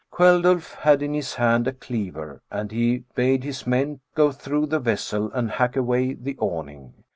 Kveldulf had in his hand a cleaver, and he bade his men go through the vessel and hack away the awning.